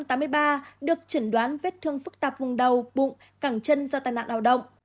thương phức tạp vùng đầu bụng cẳng chân do tai nạn lao động